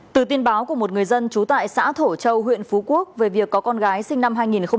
từ tin báo của một người dân trú tại xã thổ châu huyện phú quốc về việc có con gái sinh năm hai nghìn một mươi